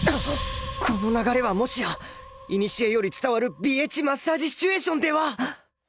この流れはもしやいにしえより伝わる微えちマッサージシチュエーションでは！？